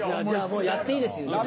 じゃあもうやっていいですよ。